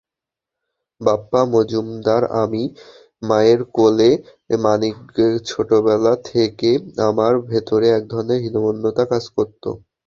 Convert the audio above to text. বাপ্পা মজুমদারআমি মায়ের কালো মানিকছোটবেলা থেকে আমার ভেতরে একধরনের হীনম্মন্যতা কাজ করত।